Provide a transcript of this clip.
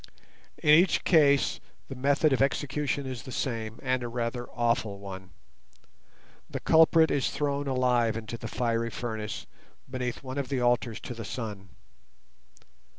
In each case the method of execution is the same, and a rather awful one. The culprit is thrown alive into the fiery furnace beneath one of the altars to the Sun.